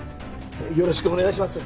よろしくお願いします